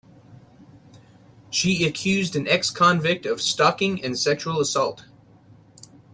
She accused an ex-convict of stalking and sexual assault.